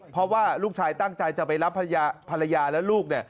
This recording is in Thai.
เพราะว่าลูกชายตั้งใจจะไปรับภรรยาและลูกเนี่ย